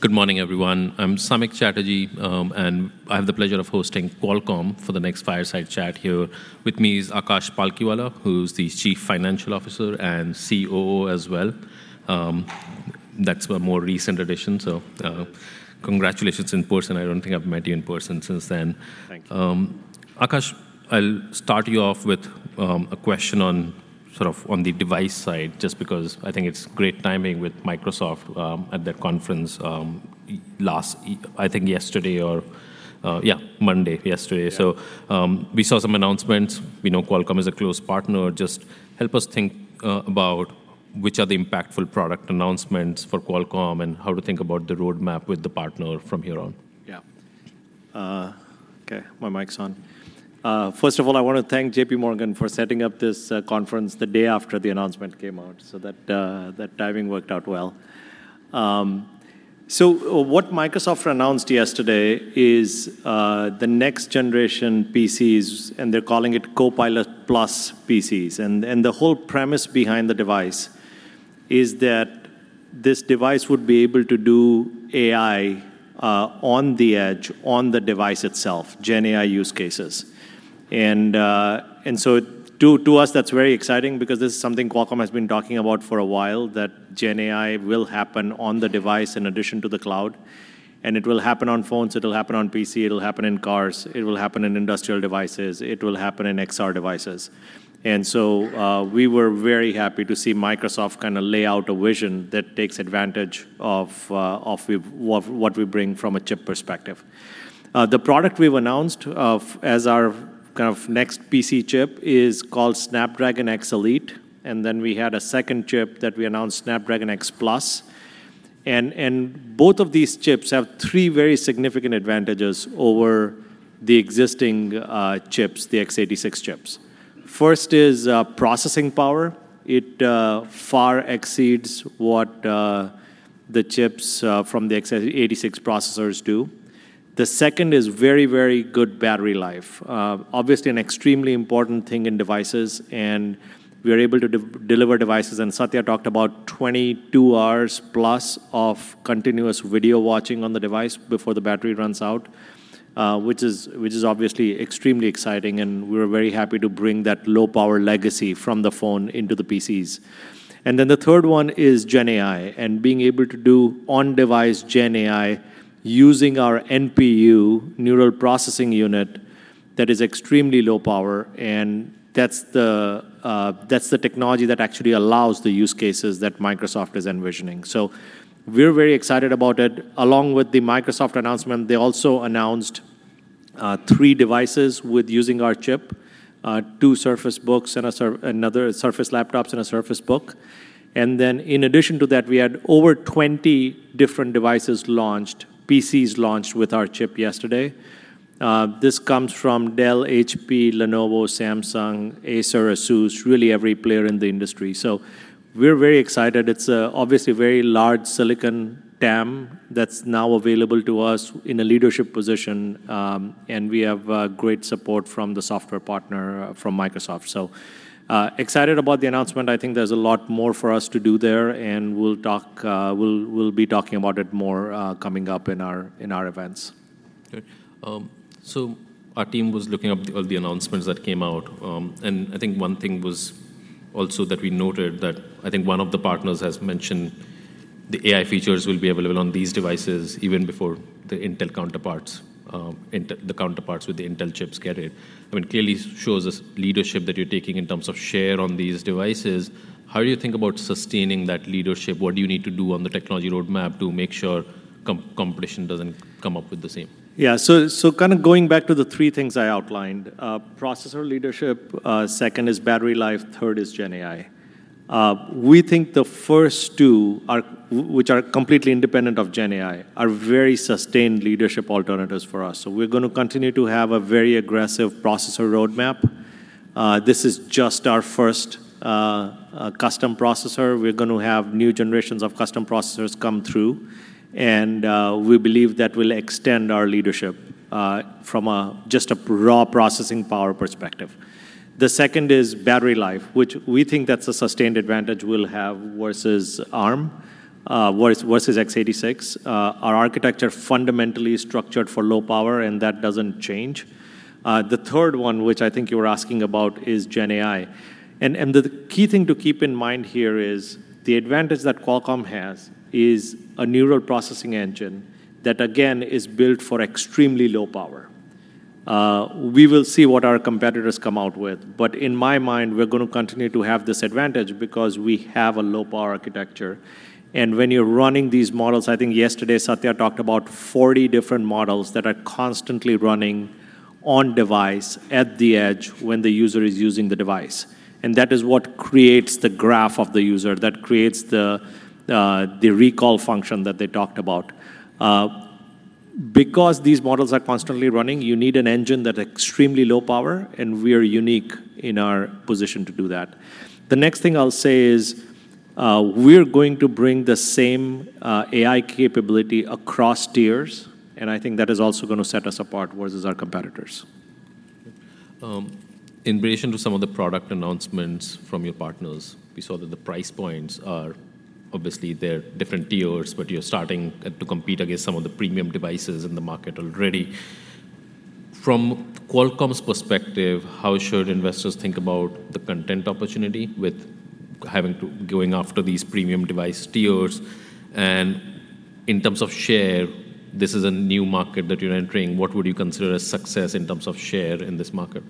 Good morning, everyone. I'm Samik Chatterjee, and I have the pleasure of hosting Qualcomm for the next fireside chat here. With me is Akash Palkhiwala, who's the Chief Financial Officer and COO as well. That's a more recent addition, so, congratulations in person. I don't think I've met you in person since then. Thank you. Akash, I'll start you off with a question on, sort of, on the device side, just because I think it's great timing with Microsoft at their conference. I think yesterday or... Yeah, Monday. Yesterday. Yeah. So, we saw some announcements. We know Qualcomm is a close partner. Just help us think about which are the impactful product announcements for Qualcomm, and how to think about the roadmap with the partner from here on? Yeah. Okay, my mic's on. First of all, I wanna thank J.P. Morgan for setting up this conference the day after the announcement came out, so that that timing worked out well. So what Microsoft announced yesterday is the next generation PCs, and they're calling it Copilot+ PCs. And the whole premise behind the device is that this device would be able to do AI on the edge, on the device itself, GenAI use cases. And so to us, that's very exciting because this is something Qualcomm has been talking about for a while, that GenAI will happen on the device in addition to the cloud, and it will happen on phones, it'll happen on PC, it'll happen in cars, it will happen in industrial devices, it will happen in XR devices. So, we were very happy to see Microsoft kinda lay out a vision that takes advantage of what we bring from a chip perspective. The product we've announced as our kind of next PC chip is called Snapdragon X Elite, and then we had a second chip that we announced, Snapdragon X Plus. And both of these chips have three very significant advantages over the existing chips, the x86 chips. First is processing power. It far exceeds what the chips from the x86 processors do. The second is very, very good battery life. Obviously, an extremely important thing in devices, and we are able to deliver devices, and Satya talked about 22 hours plus of continuous video watching on the device before the battery runs out, which is obviously extremely exciting, and we're very happy to bring that low-power legacy from the phone into the PCs. And then the third one is GenAI, and being able to do on-device GenAI using our NPU, neural processing unit, that is extremely low power, and that's the technology that actually allows the use cases that Microsoft is envisioning. So we're very excited about it. Along with the Microsoft announcement, they also announced three devices using our chip: two Surface Books and another Surface Laptop and a Surface Book. And then in addition to that, we had over 20 different devices launched, PCs launched with our chip yesterday. This comes from Dell, HP, Lenovo, Samsung, Acer, ASUS, really every player in the industry. So we're very excited. It's obviously a very large silicon TAM that's now available to us in a leadership position, and we have great support from the software partner, from Microsoft. So excited about the announcement. I think there's a lot more for us to do there, and we'll be talking about it more coming up in our events. Good. So our team was looking up all the announcements that came out, and I think one thing was also that we noted that I think one of the partners has mentioned the AI features will be available on these devices even before the Intel counterparts, the counterparts with the Intel chips get it. I mean, it clearly shows the leadership that you're taking in terms of share on these devices. How do you think about sustaining that leadership? What do you need to do on the technology roadmap to make sure competition doesn't come up with the same? Yeah, so kind of going back to the three things I outlined: processor leadership, second is battery life, third is GenAI. We think the first two are, which are completely independent of GenAI, are very sustained leadership alternatives for us. So we're gonna continue to have a very aggressive processor roadmap. This is just our first, custom processor. We're gonna have new generations of custom processors come through, and we believe that will extend our leadership, from a, just a raw processing power perspective. The second is battery life, which we think that's a sustained advantage we'll have versus Arm versus x86. Our architecture fundamentally is structured for low power, and that doesn't change. The third one, which I think you were asking about, is GenAI, and, and the key thing to keep in mind here is the advantage that Qualcomm has is a neural processing engine that, again, is built for extremely low power. We will see what our competitors come out with, but in my mind, we're gonna continue to have this advantage because we have a low-power architecture. And when you're running these models, I think yesterday, Satya talked about 40 different models that are constantly running on device at the edge when the user is using the device, and that is what creates the graph of the user, that creates the, the recall function that they talked about. Because these models are constantly running, you need an engine that extremely low power, and we are unique in our position to do that. The next thing I'll say is, we're going to bring the same AI capability across tiers, and I think that is also gonna set us apart versus our competitors.... In relation to some of the product announcements from your partners, we saw that the price points are obviously they're different tiers, but you're starting to compete against some of the premium devices in the market already. From Qualcomm's perspective, how should investors think about the content opportunity with having to go after these premium device tiers? And in terms of share, this is a new market that you're entering. What would you consider a success in terms of share in this market?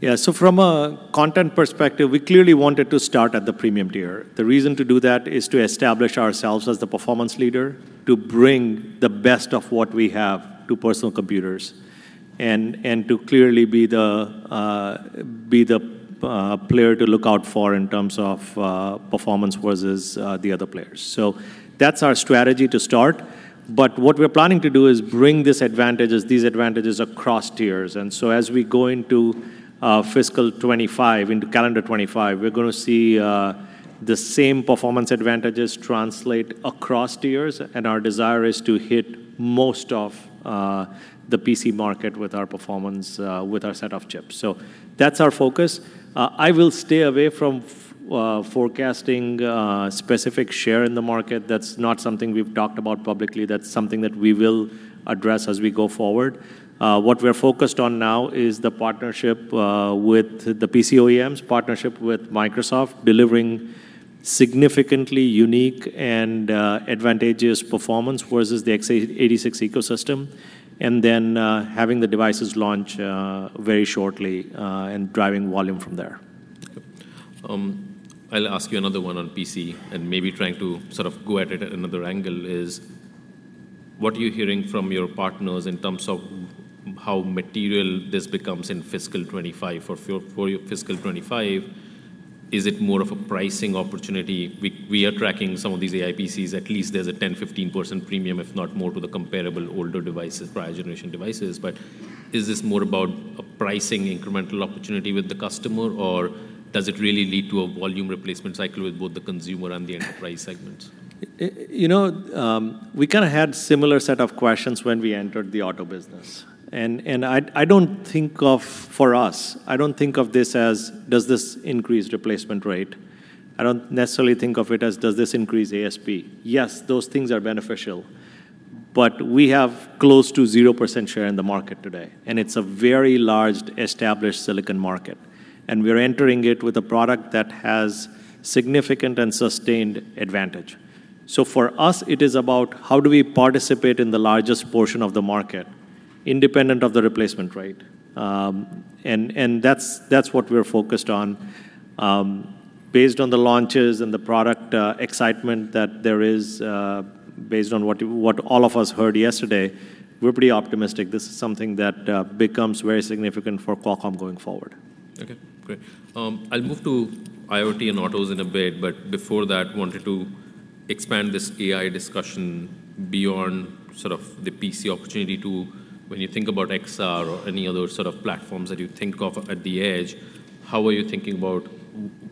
Yeah, so from a content perspective, we clearly wanted to start at the premium tier. The reason to do that is to establish ourselves as the performance leader, to bring the best of what we have to personal computers, and to clearly be the player to look out for in terms of performance versus the other players. So that's our strategy to start. But what we're planning to do is bring these advantages across tiers. And so as we go into fiscal 2025, into calendar 2025, we're gonna see the same performance advantages translate across tiers, and our desire is to hit most of the PC market with our performance, with our set of chips. So that's our focus. I will stay away from forecasting specific share in the market. That's not something we've talked about publicly. That's something that we will address as we go forward. What we're focused on now is the partnership with the PC OEMs, partnership with Microsoft, delivering significantly unique and advantageous performance versus the x86 ecosystem, and then having the devices launch very shortly and driving volume from there. Okay. I'll ask you another one on PC, and maybe trying to sort of go at it at another angle, is: What are you hearing from your partners in terms of how material this becomes in fiscal 2025? For your fiscal 2025, is it more of a pricing opportunity? We are tracking some of these AI PCs. At least there's a 10%-15% premium, if not more, to the comparable older devices, prior generation devices. But is this more about a pricing incremental opportunity with the customer, or does it really lead to a volume replacement cycle with both the consumer and the enterprise segments? You know, we kinda had similar set of questions when we entered the auto business, and I don't think of... For us, I don't think of this as, does this increase replacement rate? I don't necessarily think of it as, does this increase ASP? Yes, those things are beneficial, but we have close to 0% share in the market today, and it's a very large established silicon market, and we're entering it with a product that has significant and sustained advantage. So for us, it is about how do we participate in the largest portion of the market, independent of the replacement rate? And that's what we're focused on. Based on the launches and the product excitement that there is, based on what all of us heard yesterday, we're pretty optimistic this is something that becomes very significant for Qualcomm going forward. Okay, great. I'll move to IoT and autos in a bit, but before that, wanted to expand this AI discussion beyond sort of the PC opportunity to when you think about XR or any other sort of platforms that you think of at the edge, how are you thinking about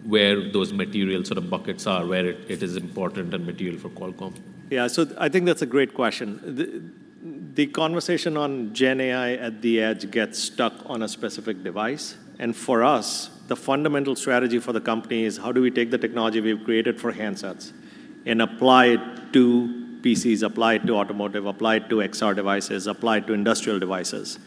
where those material sort of buckets are, where it is important and material for Qualcomm? Yeah, so I think that's a great question. The conversation on GenAI at the edge gets stuck on a specific device, and for us, the fundamental strategy for the company is how do we take the technology we've created for handsets and apply it to PCs, apply it to automotive, apply it to XR devices, apply it to industrial devices?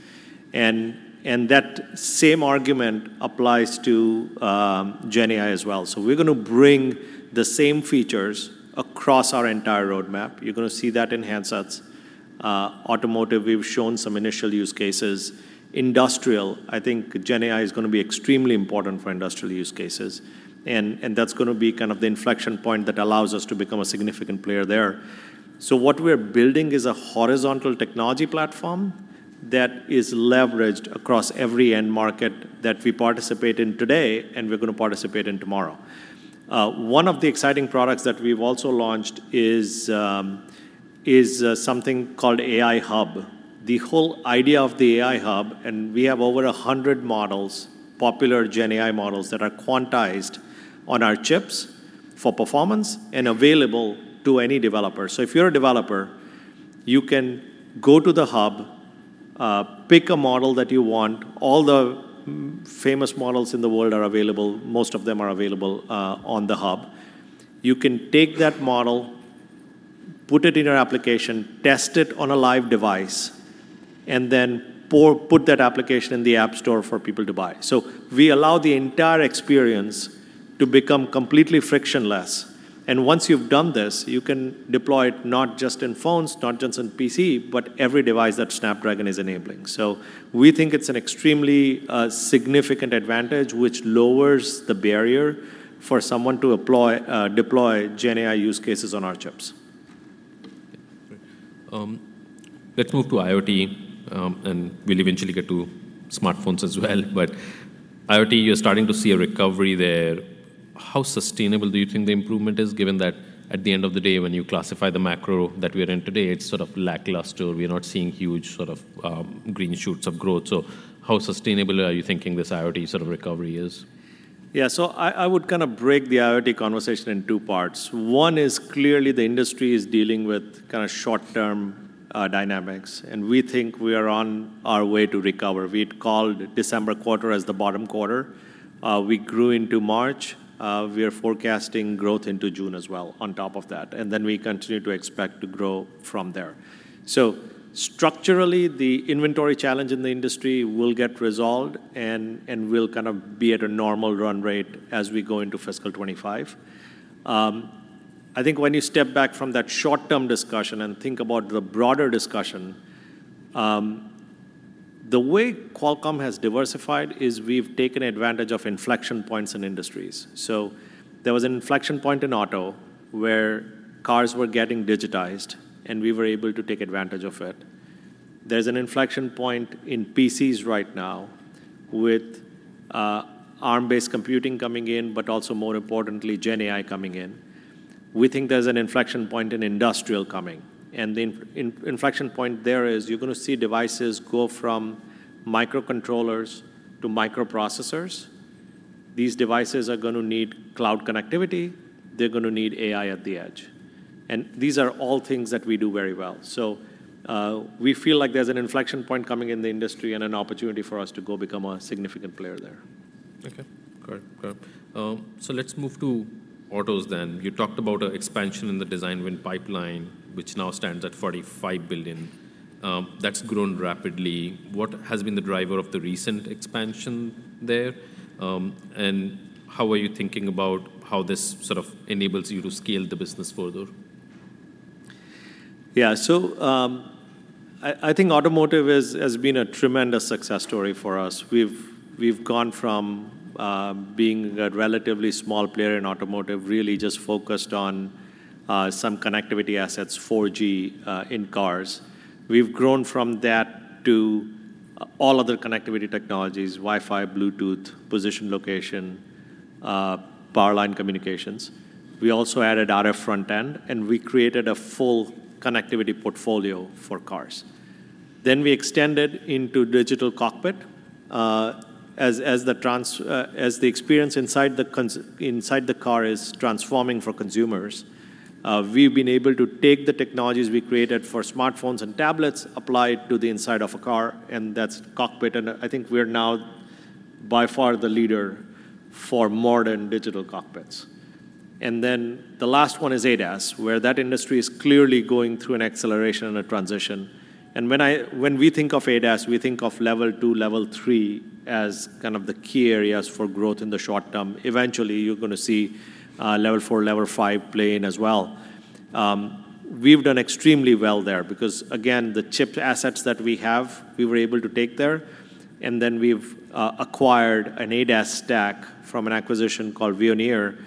And that same argument applies to GenAI as well. So we're gonna bring the same features across our entire roadmap. You're gonna see that in handsets. Automotive, we've shown some initial use cases. Industrial, I think GenAI is gonna be extremely important for industrial use cases, and that's gonna be kind of the inflection point that allows us to become a significant player there. So what we're building is a horizontal technology platform that is leveraged across every end market that we participate in today, and we're gonna participate in tomorrow. One of the exciting products that we've also launched is something called AI Hub. The whole idea of the AI Hub, and we have over 100 models, popular GenAI models, that are quantized on our chips for performance and available to any developer. So if you're a developer, you can go to the hub, pick a model that you want. All the famous models in the world are available. Most of them are available on the hub. You can take that model, put it in your application, test it on a live device, and then put that application in the App Store for people to buy. So we allow the entire experience to become completely frictionless, and once you've done this, you can deploy it not just in phones, not just in PC, but every device that Snapdragon is enabling. So we think it's an extremely significant advantage which lowers the barrier for someone to apply, deploy GenAI use cases on our chips. Okay, great. Let's move to IoT, and we'll eventually get to smartphones as well. But IoT, you're starting to see a recovery there. How sustainable do you think the improvement is, given that, at the end of the day, when you classify the macro that we're in today, it's sort of lackluster? We're not seeing huge sort of green shoots of growth. So how sustainable are you thinking this IoT sort of recovery is?... Yeah, so I would kind of break the IoT conversation in two parts. One is clearly the industry is dealing with kind of short-term dynamics, and we think we are on our way to recover. We'd called December quarter as the bottom quarter. We grew into March. We are forecasting growth into June as well on top of that, and then we continue to expect to grow from there. So structurally, the inventory challenge in the industry will get resolved, and we'll kind of be at a normal run rate as we go into fiscal 2025. I think when you step back from that short-term discussion and think about the broader discussion, the way Qualcomm has diversified is we've taken advantage of inflection points in industries. So there was an inflection point in auto where cars were getting digitized, and we were able to take advantage of it. There's an inflection point in PCs right now with Arm-based computing coming in, but also more importantly, GenAI coming in. We think there's an inflection point in industrial coming, and the inflection point there is you're gonna see devices go from microcontrollers to microprocessors. These devices are gonna need cloud connectivity. They're gonna need AI at the edge, and these are all things that we do very well. So we feel like there's an inflection point coming in the industry and an opportunity for us to go become a significant player there. Okay, great. Great. Let's move to autos then. You talked about a expansion in the design win pipeline, which now stands at $45 billion. That's grown rapidly. What has been the driver of the recent expansion there? And how are you thinking about how this sort of enables you to scale the business further? Yeah, so I think automotive has been a tremendous success story for us. We've gone from being a relatively small player in automotive, really just focused on some connectivity assets, 4G in cars. We've grown from that to all other connectivity technologies, Wi-Fi, Bluetooth, position, location, power line communications. We also added RF front-end, and we created a full connectivity portfolio for cars. Then we extended into digital cockpit. As the experience inside the car is transforming for consumers, we've been able to take the technologies we created for smartphones and tablets, apply it to the inside of a car, and that's cockpit. And I think we're now by far the leader for modern digital cockpits. And then the last one is ADAS, where that industry is clearly going through an acceleration and a transition. And when we think of ADAS, we think of Level 2, Level 3 as kind of the key areas for growth in the short term. Eventually, you're gonna see Level 4, Level 5 play in as well. We've done extremely well there because, again, the chip assets that we have, we were able to take there, and then we've acquired an ADAS stack from an acquisition called Veoneer,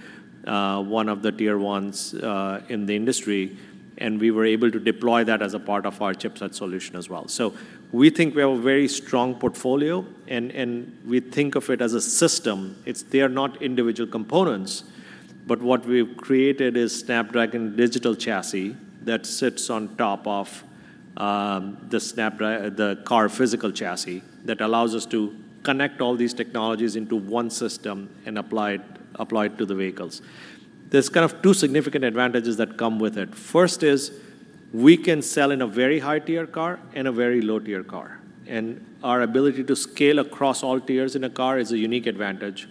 one of the tier ones in the industry, and we were able to deploy that as a part of our chipset solution as well. So we think we have a very strong portfolio, and we think of it as a system. It's they are not individual components, but what we've created is Snapdragon Digital Chassis that sits on top of the car's physical chassis that allows us to connect all these technologies into one system and apply it, apply it to the vehicles. There's kind of two significant advantages that come with it. First is, we can sell in a very high-tier car and a very low-tier car, and our ability to scale across all tiers in a car is a unique advantage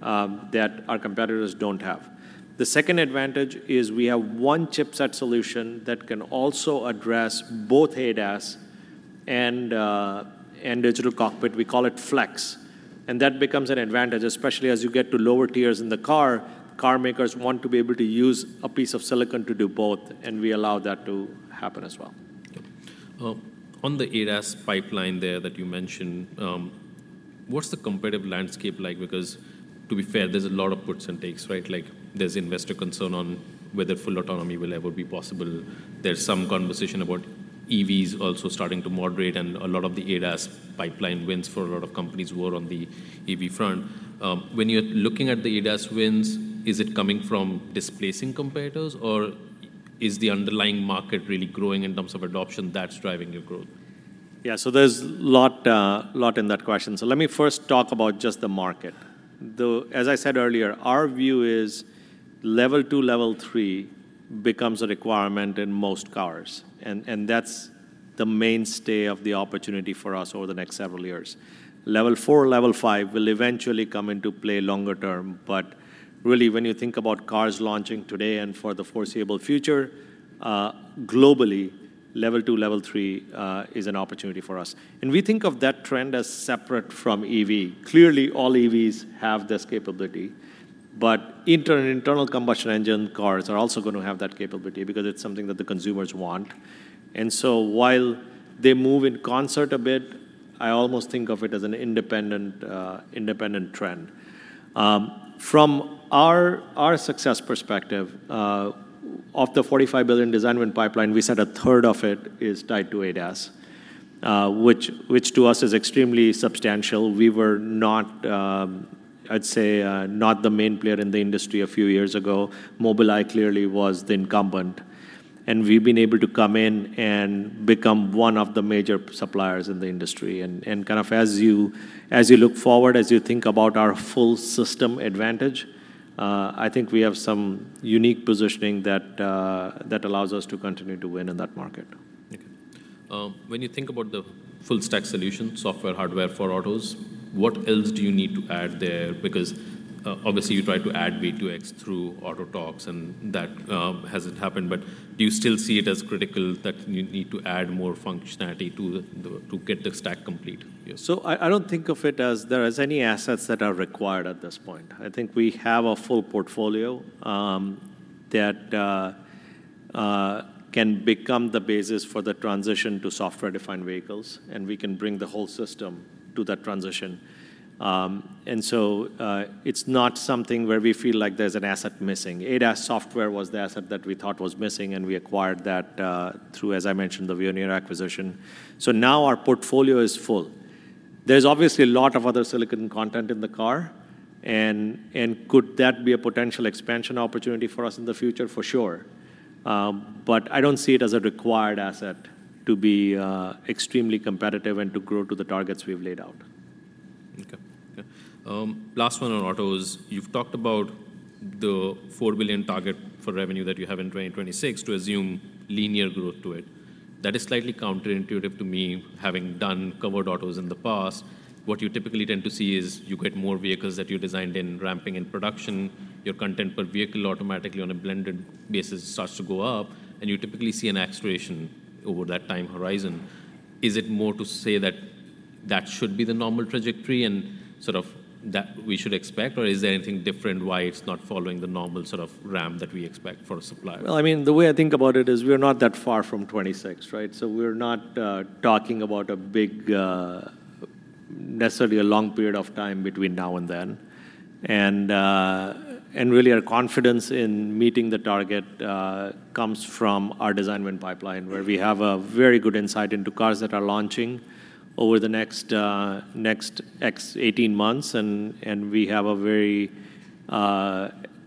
that our competitors don't have. The second advantage is we have one chipset solution that can also address both ADAS and and digital cockpit. We call it Flex, and that becomes an advantage, especially as you get to lower tiers in the car. Car makers want to be able to use a piece of silicon to do both, and we allow that to happen as well. On the ADAS pipeline there that you mentioned, what's the competitive landscape like? Because to be fair, there's a lot of puts and takes, right? Like, there's investor concern on whether full autonomy will ever be possible. There's some conversation about EVs also starting to moderate, and a lot of the ADAS pipeline wins for a lot of companies who are on the EV front. When you're looking at the ADAS wins, is it coming from displacing competitors, or is the underlying market really growing in terms of adoption that's driving your growth? Yeah, so there's a lot, a lot in that question. So let me first talk about just the market. As I said earlier, our view is Level two, Level three becomes a requirement in most cars, and that's the mainstay of the opportunity for us over the next several years. Level four, Level five will eventually come into play longer term, but really, when you think about cars launching today and for the foreseeable future, globally, Level two, Level three is an opportunity for us, and we think of that trend as separate from EV. Clearly, all EVs have this capability, but internal combustion engine cars are also gonna have that capability because it's something that the consumers want. And so while they move in concert a bit, I almost think of it as an independent, independent trend. From our success perspective, of the $45 billion design win pipeline, we said a third of it is tied to ADAS, which to us is extremely substantial. We were not. I'd say, not the main player in the industry a few years ago. Mobileye clearly was the incumbent, and we've been able to come in and become one of the major suppliers in the industry. And kind of as you look forward, as you think about our full system advantage, I think we have some unique positioning that allows us to continue to win in that market. Okay. When you think about the full stack solution, software, hardware for autos, what else do you need to add there? Because, obviously you tried to add V2X through Autotalks, and that hasn't happened. But do you still see it as critical that you need to add more functionality to the, to get the stack complete? Yeah. So I don't think of it as there is any assets that are required at this point. I think we have a full portfolio that can become the basis for the transition to software-defined vehicles, and we can bring the whole system to that transition. And so, it's not something where we feel like there's an asset missing. ADAS software was the asset that we thought was missing, and we acquired that through, as I mentioned, the Veoneer acquisition. So now our portfolio is full. There's obviously a lot of other silicon content in the car, and could that be a potential expansion opportunity for us in the future? For sure. But I don't see it as a required asset to be extremely competitive and to grow to the targets we've laid out. Okay. Okay. Last one on autos. You've talked about the $4 billion target for revenue that you have in 2026 to assume linear growth to it. That is slightly counterintuitive to me, having covered autos in the past. What you typically tend to see is you get more vehicles that you designed in ramping in production, your content per vehicle automatically on a blended basis starts to go up, and you typically see an acceleration over that time horizon. Is it more to say that that should be the normal trajectory and sort of that we should expect, or is there anything different why it's not following the normal sort of ramp that we expect for a supplier? Well, I mean, the way I think about it is we're not that far from 26, right? So we're not talking about a big, necessarily a long period of time between now and then. And really, our confidence in meeting the target comes from our design win pipeline, where we have a very good insight into cars that are launching over the next 18 months, and we have a very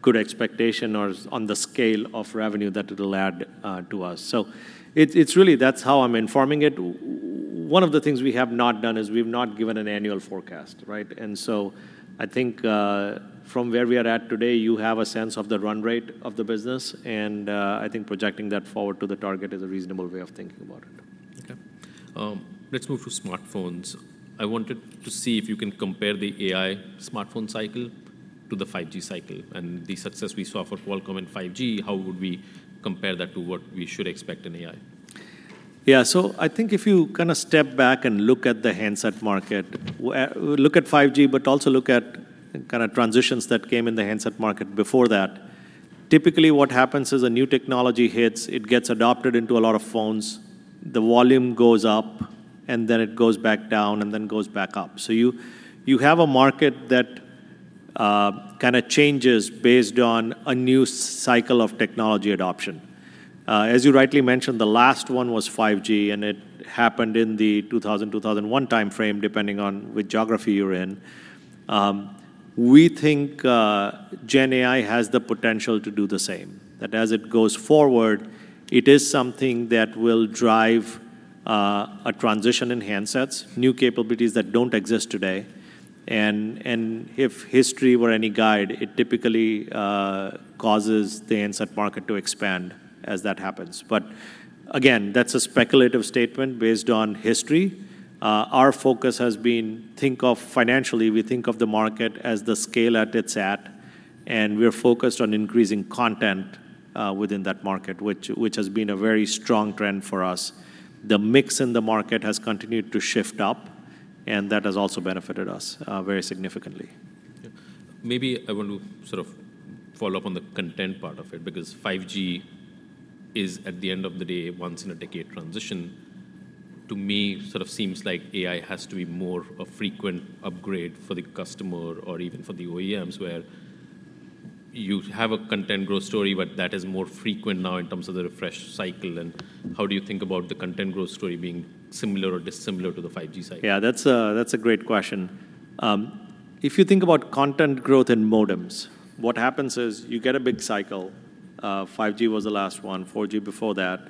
good expectation on the scale of revenue that it'll add to us. So it's really that's how I'm informing it. One of the things we have not done is we've not given an annual forecast, right? And so I think, from where we are at today, you have a sense of the run rate of the business, and, I think projecting that forward to the target is a reasonable way of thinking about it. Okay. Let's move to smartphones. I wanted to see if you can compare the AI smartphone cycle to the 5G cycle and the success we saw for Qualcomm in 5G, how would we compare that to what we should expect in AI? Yeah. So I think if you kind of step back and look at the handset market, look at 5G, but also look at the kind of transitions that came in the handset market before that. Typically, what happens is a new technology hits, it gets adopted into a lot of phones, the volume goes up, and then it goes back down, and then goes back up. So you have a market that kind of changes based on a new cycle of technology adoption. As you rightly mentioned, the last one was 5G, and it happened in the 2000, 2001 timeframe, depending on which geography you're in. We think GenAI has the potential to do the same, that as it goes forward, it is something that will drive a transition in handsets, new capabilities that don't exist today. If history were any guide, it typically causes the handset market to expand as that happens. But again, that's a speculative statement based on history. Our focus has been—financially, we think of the market as the scale that it's at, and we're focused on increasing content within that market, which has been a very strong trend for us. The mix in the market has continued to shift up, and that has also benefited us very significantly. Yeah. Maybe I want to sort of follow up on the content part of it, because 5G is, at the end of the day, once-in-a-decade transition. To me, sort of seems like AI has to be more a frequent upgrade for the customer or even for the OEMs, where you have a content growth story, but that is more frequent now in terms of the refresh cycle. And how do you think about the content growth story being similar or dissimilar to the 5G cycle? Yeah, that's a great question. If you think about content growth in modems, what happens is you get a big cycle. 5G was the last one, 4G before that.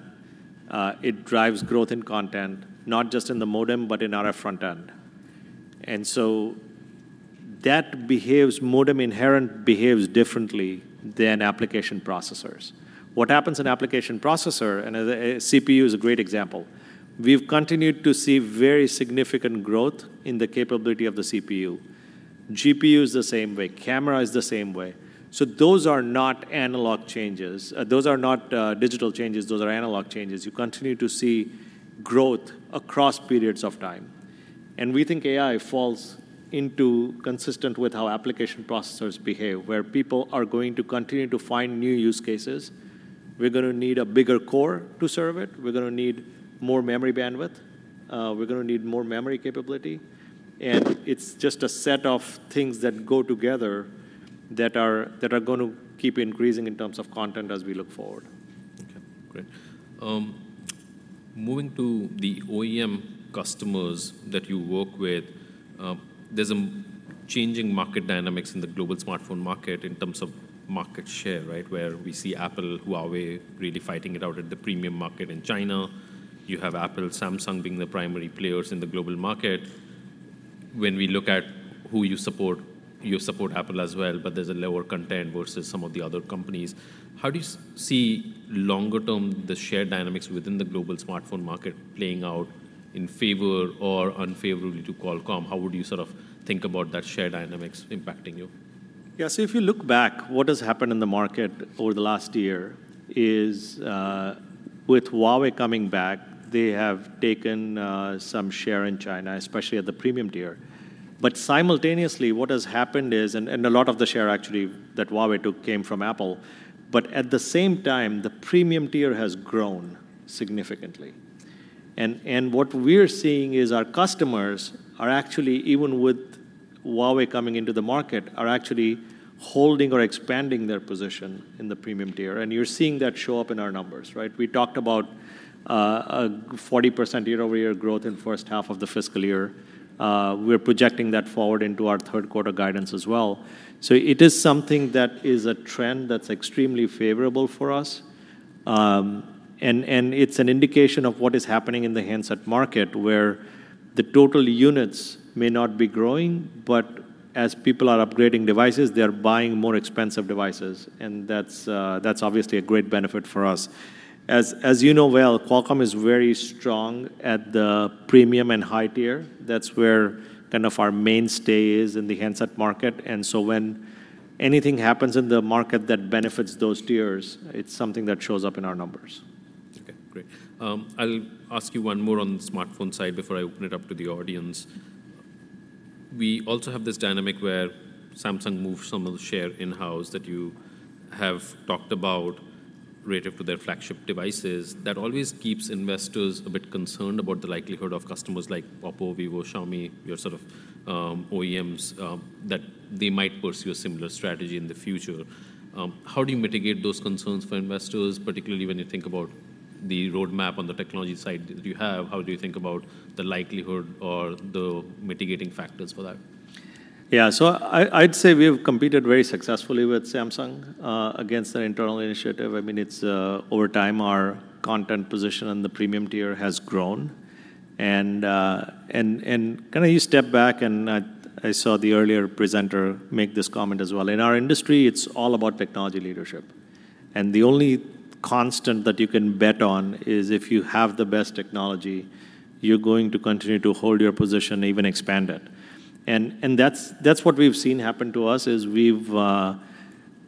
It drives growth in content, not just in the modem, but in our front end. And so that behaves. Modem inherently behaves differently than application processors. What happens in application processor, and a CPU is a great example, we've continued to see very significant growth in the capability of the CPU. GPU is the same way, camera is the same way. So those are not analog changes. Those are not digital changes, those are analog changes. You continue to see growth across periods of time, and we think AI falls into consistent with how application processors behave, where people are going to continue to find new use cases. We're gonna need a bigger core to serve it. We're gonna need more memory bandwidth. We're gonna need more memory capability. And it's just a set of things that go together that are, that are going to keep increasing in terms of content as we look forward.... Great. Moving to the OEM customers that you work with, there's a changing market dynamics in the global smartphone market in terms of market share, right? Where we see Apple, Huawei really fighting it out at the premium market in China. You have Apple, Samsung being the primary players in the global market. When we look at who you support, you support Apple as well, but there's a lower content versus some of the other companies. How do you see longer term, the share dynamics within the global smartphone market playing out in favor or unfavorably to Qualcomm? How would you sort of think about that share dynamics impacting you? Yeah. So if you look back, what has happened in the market over the last year is, with Huawei coming back, they have taken, some share in China, especially at the premium tier. But simultaneously, what has happened is, and, and a lot of the share actually that Huawei took came from Apple, but at the same time, the premium tier has grown significantly. And, and what we're seeing is our customers are actually, even with Huawei coming into the market, are actually holding or expanding their position in the premium tier, and you're seeing that show up in our numbers, right? We talked about, a 40% year-over-year growth in the first half of the fiscal year. We're projecting that forward into our third quarter guidance as well. So it is something that is a trend that's extremely favorable for us, and it's an indication of what is happening in the handset market, where the total units may not be growing, but as people are upgrading devices, they are buying more expensive devices, and that's obviously a great benefit for us. As you know well, Qualcomm is very strong at the premium and high tier. That's where kind of our mainstay is in the handset market, and so when anything happens in the market that benefits those tiers, it's something that shows up in our numbers. Okay, great. I'll ask you one more on the smartphone side before I open it up to the audience. We also have this dynamic where Samsung moved some of the share in-house that you have talked about relative to their flagship devices. That always keeps investors a bit concerned about the likelihood of customers like Oppo, Vivo, Xiaomi, your sort of, OEMs, that they might pursue a similar strategy in the future. How do you mitigate those concerns for investors, particularly when you think about the roadmap on the technology side that you have? How do you think about the likelihood or the mitigating factors for that? Yeah. So I'd say we have competed very successfully with Samsung against their internal initiative. I mean, it's... Over time, our content position on the premium tier has grown, and, and, and kinda you step back, and I saw the earlier presenter make this comment as well. In our industry, it's all about technology leadership, and the only constant that you can bet on is if you have the best technology, you're going to continue to hold your position, even expand it. And that's what we've seen happen to us, is we've--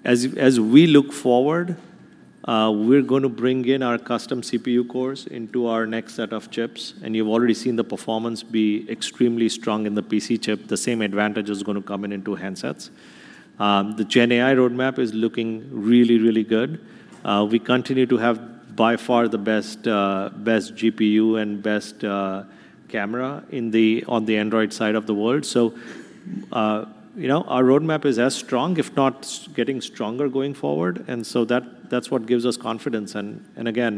As we look forward, we're gonna bring in our custom CPU cores into our next set of chips, and you've already seen the performance be extremely strong in the PC chip. The same advantage is gonna come in into handsets. The GenAI roadmap is looking really, really good. We continue to have, by far, the best GPU and best camera on the Android side of the world. So, you know, our roadmap is as strong, if not getting stronger, going forward, and so that's what gives us confidence. And again,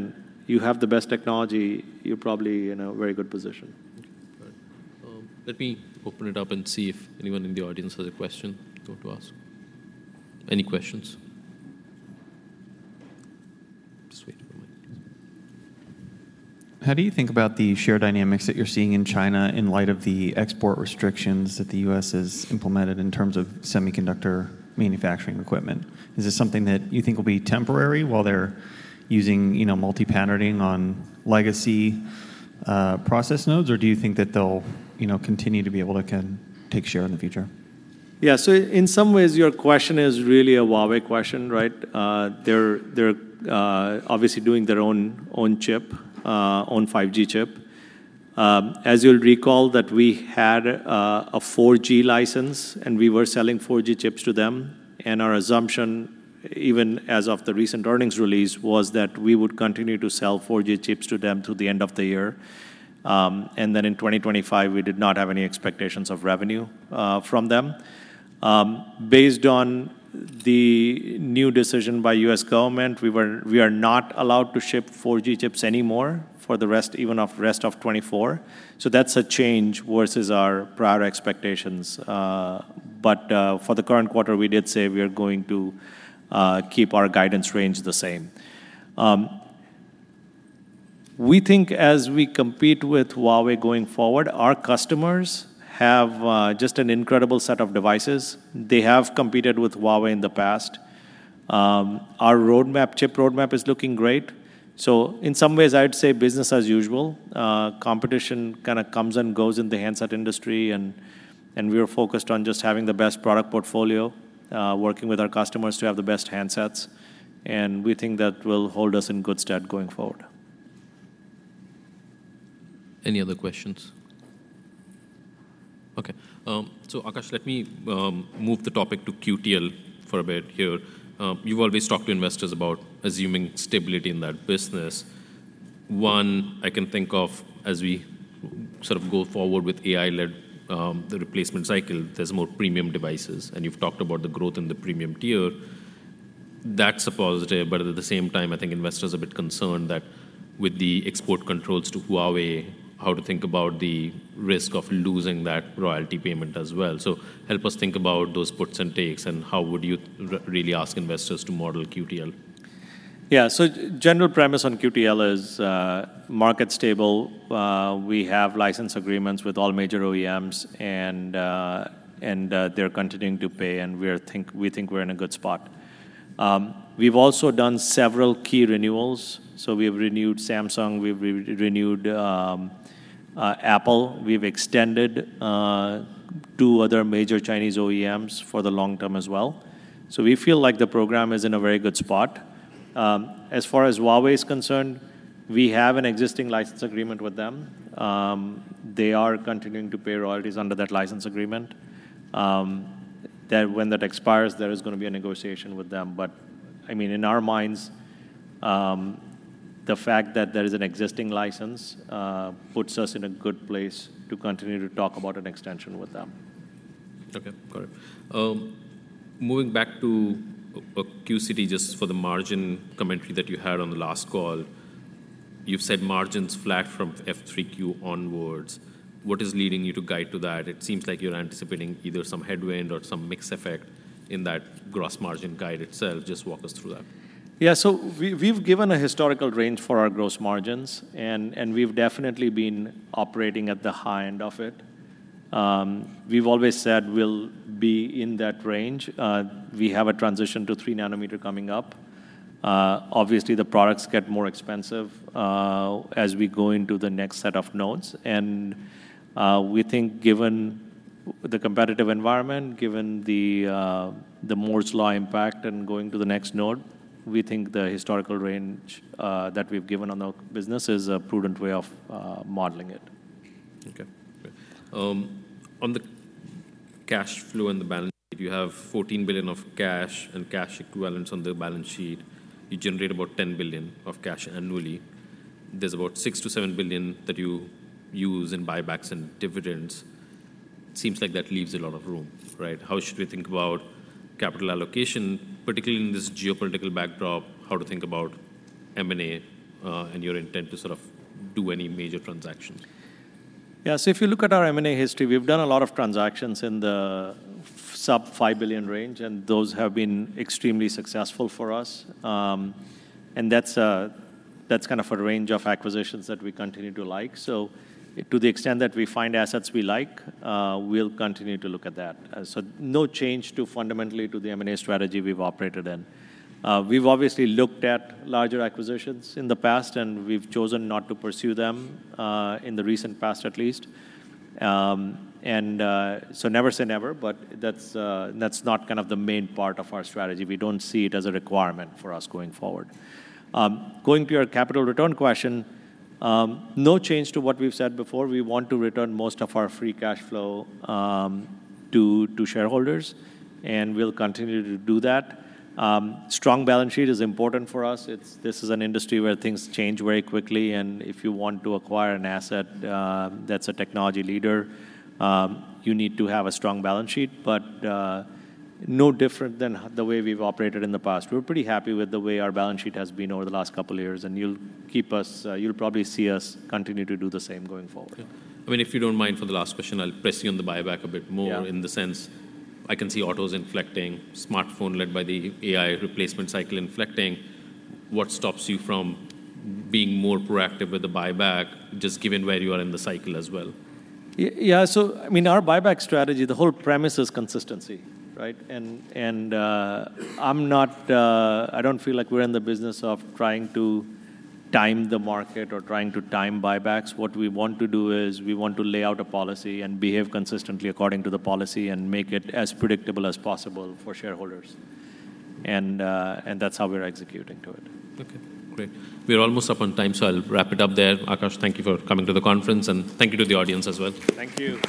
you have the best technology, you're probably in a very good position. Right. Let me open it up and see if anyone in the audience has a question they want to ask. Any questions? Just wait a moment. How do you think about the share dynamics that you're seeing in China in light of the export restrictions that the U.S. has implemented in terms of semiconductor manufacturing equipment? Is this something that you think will be temporary while they're using, you know, multi-patterning on legacy process nodes? Or do you think that they'll, you know, continue to be able to kind of take share in the future? Yeah, so in some ways, your question is really a Huawei question, right? They're obviously doing their own 5G chip. As you'll recall, we had a 4G license, and we were selling 4G chips to them, and our assumption, even as of the recent earnings release, was that we would continue to sell 4G chips to them through the end of the year. And then in 2025, we did not have any expectations of revenue from them. Based on the new decision by U.S. government, we are not allowed to ship 4G chips anymore for the rest of 2024. So that's a change versus our prior expectations. But for the current quarter, we did say we are going to keep our guidance range the same. We think as we compete with Huawei going forward, our customers have just an incredible set of devices. They have competed with Huawei in the past. Our roadmap, chip roadmap is looking great. So in some ways, I'd say business as usual. Competition kinda comes and goes in the handset industry, and we are focused on just having the best product portfolio, working with our customers to have the best handsets, and we think that will hold us in good stead going forward. Any other questions? Okay. So Akash, let me move the topic to QTL for a bit here. You've always talked to investors about assuming stability in that business. One, I can think of as we sort of go forward with AI-led, the replacement cycle, there's more premium devices, and you've talked about the growth in the premium tier. That's a positive, but at the same time, I think investors are a bit concerned that with the export controls to Huawei, how to think about the risk of losing that royalty payment as well? So help us think about those puts and takes, and how would you really ask investors to model QTL? Yeah. So general premise on QTL is, market stable. We have license agreements with all major OEMs and they're continuing to pay, and we think we're in a good spot. We've also done several key renewals. So we've renewed Samsung, we've renewed Apple. We've extended two other major Chinese OEMs for the long term as well. So we feel like the program is in a very good spot. As far as Huawei is concerned, we have an existing license agreement with them. They are continuing to pay royalties under that license agreement. Then when that expires, there is gonna be a negotiation with them. But, I mean, in our minds, the fact that there is an existing license puts us in a good place to continue to talk about an extension with them. Okay, got it. Moving back to QCT, just for the margin commentary that you had on the last call, you've said margin's flat from F3Q onwards. What is leading you to guide to that? It seems like you're anticipating either some headwind or some mix effect in that gross margin guide itself. Just walk us through that. Yeah, so we've given a historical range for our gross margins, and we've definitely been operating at the high end of it. We've always said we'll be in that range. We have a transition to 3nm coming up. Obviously, the products get more expensive as we go into the next set of nodes. We think given the competitive environment, given the Moore's Law impact and going to the next node, we think the historical range that we've given on the business is a prudent way of modeling it. Okay, great. On the cash flow and the balance, you have $14 billion of cash and cash equivalents on the balance sheet. You generate about $10 billion of cash annually. There's about $6 billion-$7 billion that you use in buybacks and dividends. Seems like that leaves a lot of room, right? How should we think about capital allocation, particularly in this geopolitical backdrop? How to think about M&A, and your intent to sort of do any major transactions? Yeah, so if you look at our M&A history, we've done a lot of transactions in the sub-$5 billion range, and those have been extremely successful for us. And that's kind of a range of acquisitions that we continue to like. So to the extent that we find assets we like, we'll continue to look at that. So no change fundamentally to the M&A strategy we've operated in. We've obviously looked at larger acquisitions in the past, and we've chosen not to pursue them in the recent past at least. And so never say never, but that's not kind of the main part of our strategy. We don't see it as a requirement for us going forward. Going to your capital return question, no change to what we've said before. We want to return most of our free cash flow to shareholders, and we'll continue to do that. Strong balance sheet is important for us. This is an industry where things change very quickly, and if you want to acquire an asset that's a technology leader, you need to have a strong balance sheet, but no different than the way we've operated in the past. We're pretty happy with the way our balance sheet has been over the last couple of years, and you'll probably see us continue to do the same going forward. Yeah. I mean, if you don't mind, for the last question, I'll press you on the buyback a bit more- Yeah... in the sense I can see autos inflecting, smartphone led by the AI replacement cycle inflecting. What stops you from being more proactive with the buyback, just given where you are in the cycle as well? Yeah, so I mean, our buyback strategy, the whole premise is consistency, right? And I'm not. I don't feel like we're in the business of trying to time the market or trying to time buybacks. What we want to do is, we want to lay out a policy and behave consistently according to the policy and make it as predictable as possible for shareholders, and that's how we're executing to it. Okay, great. We're almost up on time, so I'll wrap it up there. Akash, thank you for coming to the conference, and thank you to the audience as well. Thank you.